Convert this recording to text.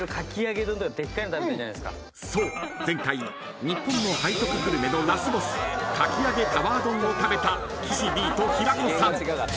［そう前回日本の背徳グルメのラスボスかき揚げタワー丼を食べた岸Ｄと平子さん］